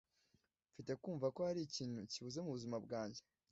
Mfite kumva ko hari ikintu kibuze mubuzima bwanjye.